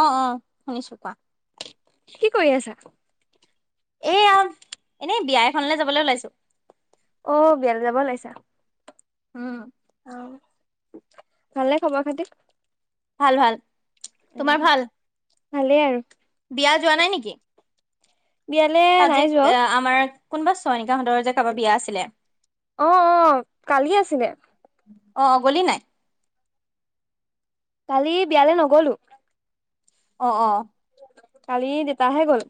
অ', শুনিছো কোৱা কি কৰি আছা? এয়া এনেই বিয়া এখনলে যাবলৈ ওলাইছো অ', বিয়ালৈ যাব ওলাইছা উম, আহ ভালে খবৰ খাতি? ভাল, তোমাৰ অ', ভাল ভালেই আৰু বিয়া যোৱা নাই নেকি? বিয়ালে ত নাই যে যোৱা আমাৰ কোনোবা চোৱনিকাহঁতৰ যে কাৰোবাৰ বিয়া আছিলে অ', কালি আছিলে অ', গলি নাই কালি বিয়ালৈ নগলো অ', কালি দেতাহে গ'ল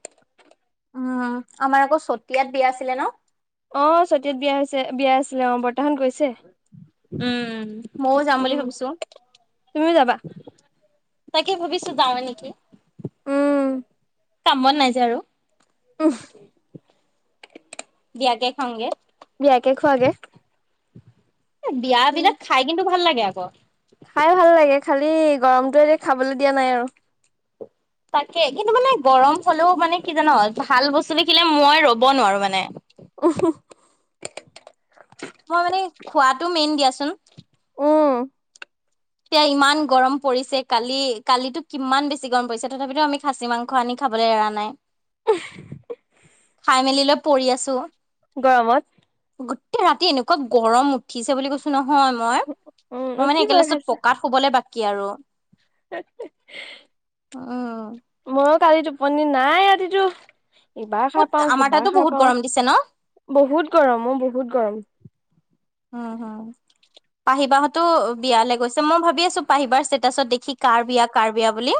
উম, আমাৰ আকৌ চতিয়াত বিয়া আছিলে ন অ', তিয়াত বিয়া হৈছে বিয়া আছিলে অ বৰ্তা হত গৈছে উম, ময়ও যাম বুলি উম, ভাবিছো তুমিও যাবা? তাকে ভাবিছো যাও নেকি? উম, কামত নাই যে আৰু উ, বিয়াাকে খাামগে একেকোৱাে বিয় বিলাক খাই কিন্তু ভাল লাগে আকৌ খাই ভাল লাগে খালি গৰমটোৱ এতি খাবলৈ দিয়া নাই আৰু তাকে, কিন্তু মানে গৰম হ'লেও মানে কি জানো ভাল বস্তু দেখিলে মই ৰ'ব নোৱাৰো মানে মই মানে খোৱাটো মেইন দিয়াচোন। উম। সেইয়া ইমান গৰম পৰিছে। কালি কালিটো কিমান বেছি গৰম পৰিছে। তথাপিতো আমি সাহি মাংস আনি খাই খাবলৈ এৰা নাই। খাই মেলি লৈ পৰি আছো। গৰমত। গোটেই ৰাতি এনেকুৱা গৰম উঠিছে বুলি কৈছো নহয় মই। উম মই মানে একে উঠিবই লাষ্টতত পকাত শুবলৈ বাকি আৰু। উম মই কালি টোপনিৰ নাই ৰাতিটো। ইবাৰ সাৰ পাওঁ আমাৰ তাতো সিবাৰ সাৰ বহুত গৰম পাওঁ দিছে ন বহুত গৰম মোৰ বহুত গৰম। উম, হম। পাহি বাহঁতো বিয়ালৈ গৈছে মই ভাবি আছো পাহি বাৰ ষ্টেটাচত দেখি কাৰ বিয়া কাৰ বিয়া বুলি।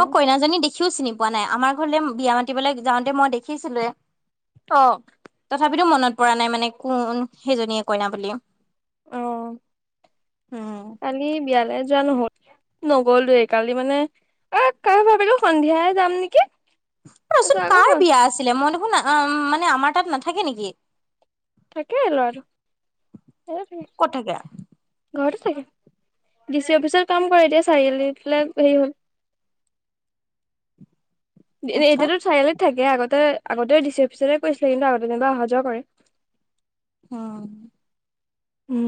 মই কইনাজনী দেখিও চিনি পোৱা নাই। আমাৰ ঘৰলে বিয়া মাতিবলৈ যাওঁতে মই দেখিছিলোৱে। অ'। তথাপিতো মনত পৰা নাই মানে কোন সেইজনীয়ে কইনা বুলি। অ'। উম কালি বিয়ালে যোৱা নহ'ল নগ'লোয়ে কালি মানে আকৌ ভাবিলো সন্ধিয়াই যাম নেকি। ৰ'বা তাৰপিছত চোন আকৌ কাৰ বিয়া আছিলে, মই দেখোন আ উম মানে আমাৰ তাত নাথাকে নেকি? থাকে ল'ৰাটো। ক'ত থাকে? ঘৰতে থাকে। ডি চি অফিচত কাম কৰে এতিয়া চাৰিআলি ফালে হেৰি হ'ল। আচ্ছা এ-এতিয়াতো চাৰিআলিত থাকে আগতে আগতে ডি চি অফিচতে কৈৰিছিলে। কিন্তু আগতে যেনিবা অহা যোৱা কৰে। উম। হম।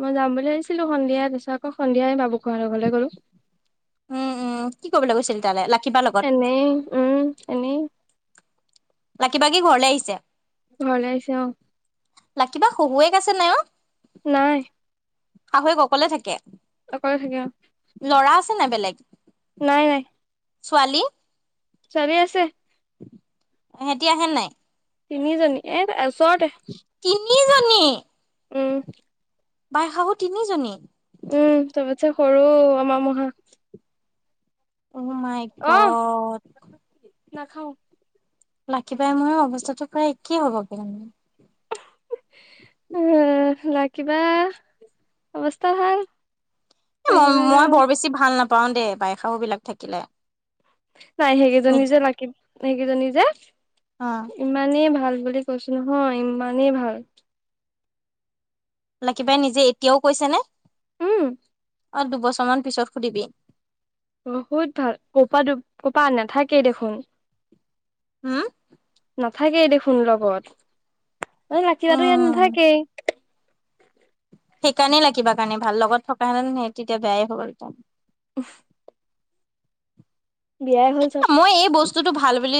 মই যাম বুলি ভাবিছিলো সন্ধিয়া। তাৰপিছত আকৌ সন্ধিয়া বাবু খোৱাহঁতৰ ঘৰলৈ গ'ল। উম, উম কি কৰিবলৈ গৈছিল তালে? ল এনেই উম এনেই। লাকী বা কি ঘৰলে আহিছে? ঘৰলে আহিছে অ'। লাকী বা শহুৱেক আছে নাই অ'? নাই। শাহুৱেক অকলে থাকে? অকলে থাকে অ'। ল'ৰা আছে নাই বেলেগ। নাই নাই। ছোৱালী? ছোৱালী আছে। সেহেতি আহে নাই? তিনিজনী এ ওচৰতে। তিনিজনী। উম। বাই শাহু তিনিজনী? উম, চবতছে সৰু আমাৰ মহা। অ', মাই গ'দ। নাখাওঁ। লাকী বাই মোৰে অৱস্থাতটো প্ৰায় একেইে হ'ব গে। উম, লাকী বা অৱস্থা ভাল। এ লাকিবাক মই-মই আৰু বৰ বেছি ভাল নাপাওঁ দেই বাই শাহুবিলাক থাকিলে। নাই সেইকেইজনী নিজ যে লাগি সেইকেইজনী যে অ ইমানেই ভাল বুলি কৈছো নহয় ইমানেই ভাল। লাকী বাই নিজে এতিয়াও কৈছেনে? উম। অ', দুবছৰমান পিছত সুধিবি। বহুত ভাল কপা কোপা নাথাকেই দেখোন। হম। নাথাকেই দেখোন লগত মান লাকী বা ইয়াত উম নাথাকেই। সেইকাৰণে লা কিবা কাৰণে ভাল লগত থকা হেন তেতিয়া বেয়াই হ'ল। উ [unintelligible] বিয়াই হ'ল চব বস্তুতটো ভাল বুলি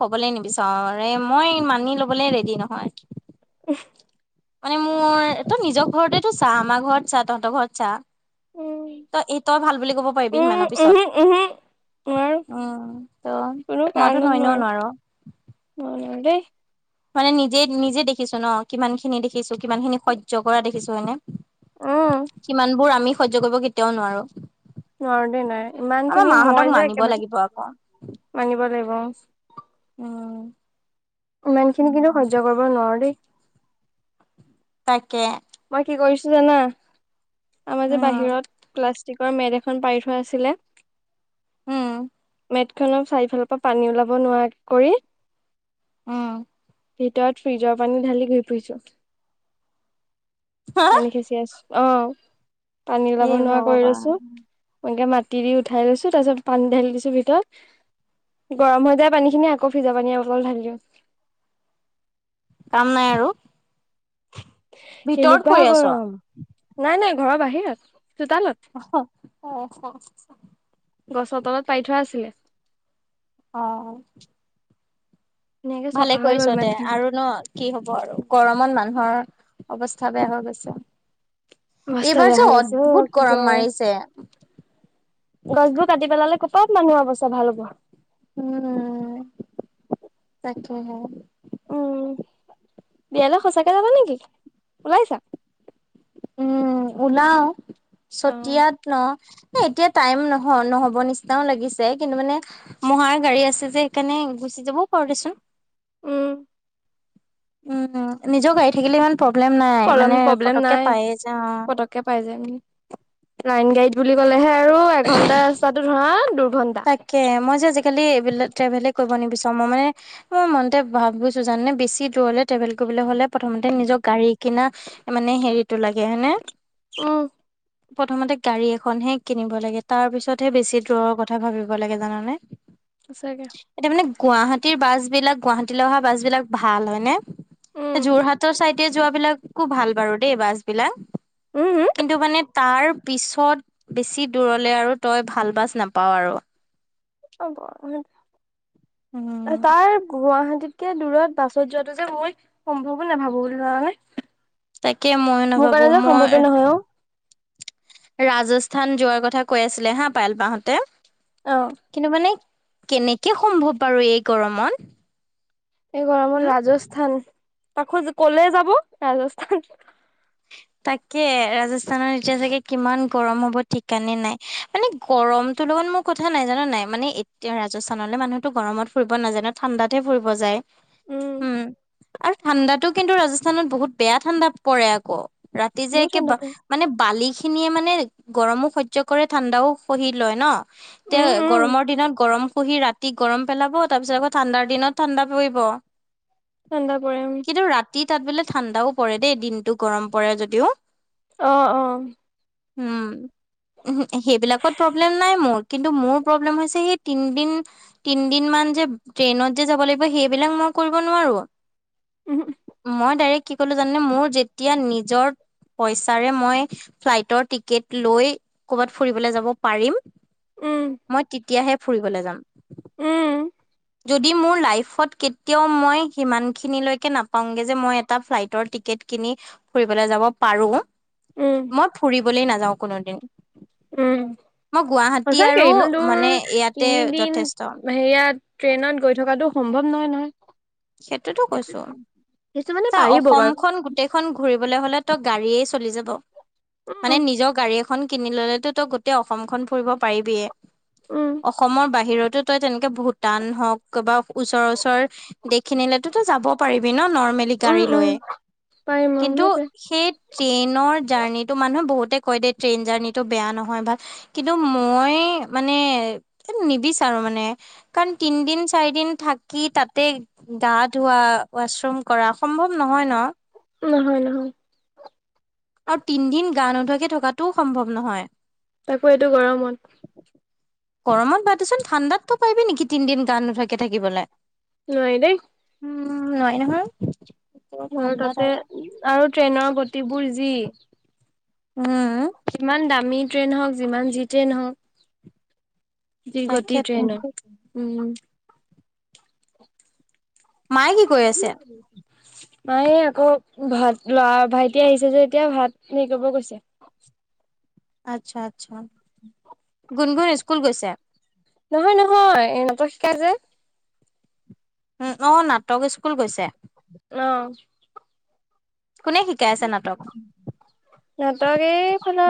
ক'বলৈ নিবিচাৰো ৰে মই মানি ল'বলৈ ৰেডি নহয়। [unintelligible] মানে মোৰ ত নিজৰ ঘৰতেতটো চাহ আমাৰ ঘৰত চা তহঁতৰ ঘৰত চা। উম, তই এই তই ভাল বুলি ক'ব পাৰিবি উম, সিমানৰ উহো, উহো। নোৱাৰো পিছত। উম ত' মইতো নানো নোৱাৰো। অ', নোৱাৰোদে। মানে নিজে, নিজে দেখিছোঁ ন কিমান খিনি দেখিছোঁ কিমান খিনি সহ্য কৰা দেখিছোঁ হয়নে। অ', সিমানবোৰ আমি সহ্য কৰিব কেতিয়াও নোৱাৰো। নোৱাৰো দেই নাই ইমান আমাৰ খিনি মাহঁতক মই যে মানিব একেবাৰে লাগিব আকৌ মানিব লাগিব উম। ইমান খিনি কিন্তু সহ্য কৰিব নোৱাৰো দেই। তাকে। মই কি কৰিছোঁ জানা আমাৰ যে উম বাহিৰত ক্লাছ মেদ এখন পাৰি থোৱা আছিলে উম। মেট খন চাৰিফালৰ পৰা পানী ওলাব নোৱাৰা কৰি উম। ভিতৰত ফ্ৰিজৰ পানী ঢালি ঘুই ফুৰিছো পানী খেচি আছোঁ। অ', পানী হে ওলাব নোৱাৰা কৰি ভগৱান লৈছো সনকে মাত তিৰি উঠাই লৈছো তাৰ পিছত পানী ঢালি দিছো ভিতৰত গৰম হৈ যায় পানী খিনি আকৌ ফ্ৰিজৰ পানী আৰু অকণ কাম নাই আৰু ভিতৰত কেনেকুৱা কৰি আছ? গৰম নাই, নাই ঘৰৰ বাহিৰত চোতালত গছৰ তলত পাৰি থোৱা আছিলে। অহ। ধুনীয়াকে ভালে চফা হৈ গ'ল কৰিছ দে মেটখন আৰু ন কি হ'ব আৰু গৰমত মানুহৰ অৱস্থা বেয়া হৈ গৈছে। অৱস্থা বেয়া এইবাৰ যে হৈ গৈছে অ অদ্ভুত কি গৰম যে মাৰিছে। গছবোৰ কাটি পেলালে ক'পাত মানুহৰ অৱস্থা ভাল হ'ব। উম তাকে হে। উম, বিয়ালৈ সঁচাকে যাবা নেকি ওলাইছা। উম, ওলাও উম, চতিয়াত ন। এতিয়া টাইম নহ নহব নিচিনাও লাগিছে কিন্তু মানে মহাৰ গাড়ী আছে যে সেইকাৰণে যাবও পাৰ দেচোন। উম, উম নিজৰ গাড়ী থাকিলে ইমান প্ৰব্লেম নাই প্ৰব্লেম মানে প্ৰব্লেম পটকে নাই পায়েই যে অ'। পতককে পাই যাম। লাইন গাড়ীদ বুলি ক'লেহে আৰু এঘন্টা ৰাস্তাটো ধৰা দূৰ তাকে মই যে আজিকালি এইবিলাক ট্ৰেভেলে কৰিব নিবিচাৰোঁ মই মানে মই মনতে ভাবিছোঁ জানে বেছি দূৰলে ট্ৰেভেল কৰিবলে হলে প্ৰথমতে নিজৰ গাড়ী কিনা মানে হেৰিতটো লাগে হয়নে। উম। প্ৰথমতে গাড়ী এখনহে কিনিব লাগে, তাৰ পিছতহে বেছি দূৰৰ কথা ভাবিব লাগে জানানে। সঁচাকে। এতিয়া মানে গুৱাহাটীৰ বাছ বিলাক, গুৱাহাটীলৈ অহা বাছ বিলাক ভাল হয়নে, উম, যোৰহাটৰ চাই এতিয়া যোৱা বিলাকো ভাল বাৰু দেই বাছ বিলাক, উম, কিন্তু মানে তাৰ পিছত বেছি দূৰলে আৰু তই ভাল বাচ নাপাওঁ আৰু। অ', গী উম তাৰ গুৱাহাটী। তেতিয়া দূৰত বাছত যোৱাতটো যে মই সম্ভৱো নাভাবোঁ বুলি জানানে। তাকে ময়ো নাভাবোঁ মই নহয় অ'। ৰাজ স্থান যোৱাৰ কথা কৈ আছিলে হা পায়েল বা হতে, অ', কিন্তু মানে কেনেকে সম্ভৱ বাৰু আৰু এই গৰমত। এই গৰমত উম ৰাজস্থান তাকো ক'লে যাব ৰাজস্থান। তাকে ৰাজস্থানৰ এতিয়া চাগে কিমান গৰম হ'ব ঠিকানে নাই, মানে গৰমতো লগত। মোৰ কথা নাই জান নে নাই, মানে এতিয়া ৰাজস্থানলৈ মানুহতো গৰমত ফুৰিব নাযায় নহয় ঠাণ্ডাত হে ফুৰিব যায়। উম, আৰু ঠাণ্ডাতো কিন্তু ৰাজস্থানত বহুত বেয়া ঠাণ্ডা পৰে আকৌ। ক ৰাতি যে বহুত একে ঠাণ্ডা পৰে মানে বালি। খিনিয়ে মানে গৰমো সহ্য কৰে ঠাণ্ডাও সহি লয় ন। এতিয়া উম, উম, গৰমৰ দিনত গৰম। পুহি ৰাতি গৰম পেলাব, তাৰপিছত আকৌ ঠাণ্ডাৰ দিনত ঠাণ্ডা পৰিব। ঠাণ্ডা পৰে উম। কিন্তু ৰাতি তাত বোলে ঠাণ্ডাও পৰে দেই দিনতটো গৰম পৰে যদিও। অ', অ'। উম। সেইবিলাকত প্ৰব্লেম নাই মোৰ, কিন্তু মোৰ প্ৰব্লেম হৈছে সি তিন দিন, তিন দিন মা সেইখন যে ট্ৰেইনত যে যাব লাগিব সেইবিলাক মই কৰিব নোৱাৰোঁ। উম, মই ডাইৰেক্ট কি কলোঁ জানে মোৰ যেতিয়া নিজৰ। পইচাৰে মই ফ্লাইটৰ টিকেট লৈ কৰবাত ফুৰিবলৈ যাব পাৰিম। উম, মই তেতিয়াহে ফুৰিবলৈ যাম। উম। যদি মোৰ লাইফত কেতিয়াও মই সিমানখিনিলৈকে নাপাওঁগৈ, যে মই এটা ফ্লাইটৰ টিকেট কিনি। ফুৰিবলৈ যাব পাৰোঁ, উম, মই ফুৰিবলৈ নাযাওঁ কোনো দিন। উম। মই গুৱাহাটী। সঁচাকে আৰু ইমান দূৰ মানে ইয়াতে তিনিদিন, যথেষ্ট হেইয়াত ট্ৰেইনত গৈ থকাটো সম্ভৱ নহয়, নহয়। সেইটোতো কৈছোঁ, কিছুমানে চা পাৰিব বাৰু অসমখন গোটেইখন ঘূৰিব। ঘূৰিবলৈ হ'লে ত গাড়ী য়ে চলি যাব, উম, মানে নিজৰ গাড়ী এখন। ইখন কিনি ললেটো তই গোটেই অসমখন ফুৰিব পাৰিবিয়ে, উম, অসমৰ বাহিৰত তই তেনেকে ভূটান হওঁক বা ওচৰ, ওচৰ দেশখিনিলেতো তই যাব পাৰিবি ন নৰ্মেল। মেলি উম, গাড়ী উম, লয়, পাৰিম অ', কিন্তু সেইটোৱে সে ট্ৰেইনৰ জাৰ্ণিটো মানুহে বহুতে কয় দে, ট্ৰেইন জাৰ্ণিটো বেয়া নহয় ভাল, কিন্তু মই মানে নিবিচাৰোঁ মানে কাৰণ তিনদিন, চাৰি দিন থাকি তাতে। গা ধোৱাা ৱাশৰুম কৰা সম্ভৱ নহয় ন। নহয়, নহয়। আৰু তিনদিন গা নোধোৱাকে থকাটোও সম্ভৱ নহয়। তাকো এইটো গৰমত। গৰমত বাদচোন ঠাণ্ডাতো পাৰিবি নেকি তিনদিন গা নোধোৱাকে থাকিবলৈ? নোৱাৰি দেই। উম, নোৱাৰি ন। ততে আৰু ট্ৰেইনৰ গতিবোৰ যি। উম। যিমান দামী ট্ৰেইন হওঁক যিমান যি ট্ৰেইন হওঁক, যি গতি তাকেতো ট্ৰেইনত। উম। মায়ে কি কই আছে? মায়ে আকৌ ভাত লৰা-ভাইটি আহিছে যে এতিয়া, ভাত হেৰি কৰিব গৈছে। আচ্ছা, আচ্ছা। [inaudible] গুণগুণ স্কুল গৈছে। নহয়, নহয় এ নাটক শিকাই যে। উম, অ' নাটক স্কুল গৈছে। অ'। কোনে শিকাই আছে নাটক? নাটক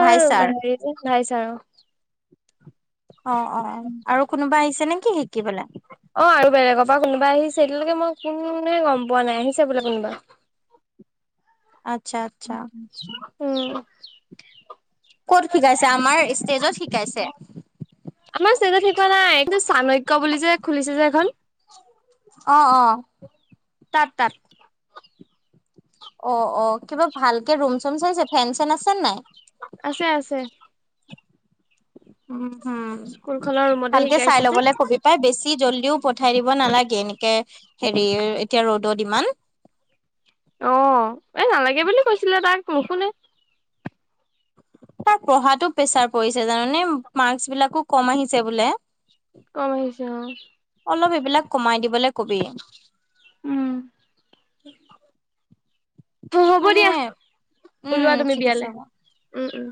ভাই ছাৰ হেৰি যে লাইছ আৰু। অ, অ, অ', আৰু কোনোবা আহিছে নেকি শিকিবলে? [inaudible] অ', আৰু বেলেগৰ পৰা কোনোবা আহিছে, এতিয়ালৈকে মই কোন গম পোৱা নাই। আহিছে বোলে কোনোবা। আচ্ছা আচ্ছা উম। ক'ত শিকাইছে? আমাৰ ষ্টেজত শিকাইছে? আমাৰ ষ্টেজত শিকোৱা নাই, চাণক্য বুলি যে খুলিছে যে এইখন। [inaudible] তাত, তাত। অ, অ, কিবা ভালকে ৰুম-চুম চাইছে? ফেন-চেন আছে নে নাই? আছে, আছে। উম, হুম। স্কুলখনৰ ৰুমতে ভালকে চাই শিকাইছে যে ল'বলে কবি পাই বেছি জলদি পঠাই দিব নালাগে, এনেকে হেৰিৰ এতিয়া ৰ'দত ইমান। অ', এ নালাগে বুলি কৈছিলে তাক, নুশুনে। তাৰ পঢ়াতো প্ৰেছাৰ পৰিছে জাননে? মাৰ্কচ বিলাকো কম আহিছে বোলে। কম আহিছে অ'। অলপ এইবিলাক কমাই দিবলৈ কবি। উম হ-হ'ব মানে দিয়া, উম ওলোৱা তুমি ঠিক আছে বিয়ালে। হ'ব। উম, উম।